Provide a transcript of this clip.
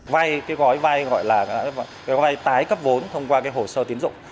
vay cái gói vai gọi là cái gói vai tái cấp vốn thông qua cái hồ sơ tiến dụng